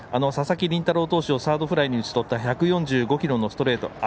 佐々木麟太郎選手をサードフライに打ち取った１４５キロのストレート。